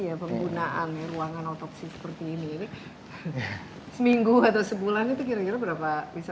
ya penggunaan ruangan otopsi seperti ini ini seminggu atau sebulan itu kira kira berapa bisa